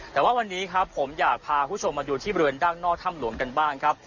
แต่ว่าวันนี้ครับผมอยากพาคุณผู้ชมมาดูที่บริเวณด้านนอกถ้ำหลวงกันบ้างครับ